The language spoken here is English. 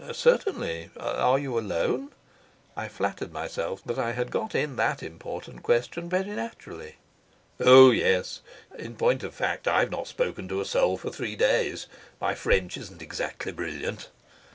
"Certainly. Are you alone?" I flattered myself that I had got in that important question very naturally. "Oh yes. In point of fact I've not spoken to a soul for three days. My French isn't exactly brilliant."